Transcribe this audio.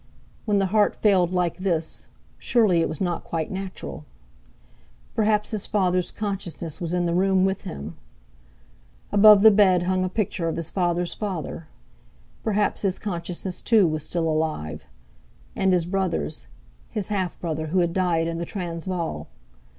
When the heart failed like this—surely it was not quite natural! Perhaps his father's consciousness was in the room with him. Above the bed hung a picture of his father's father. Perhaps his consciousness, too, was still alive; and his brother's—his half brother, who had died in the Transvaal.